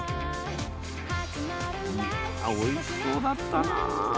おいしそうだったな。